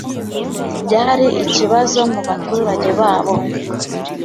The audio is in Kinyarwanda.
Byari ikibazo mubaturage babo